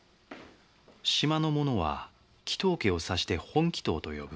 島の者は鬼頭家を指して本鬼頭と呼ぶ。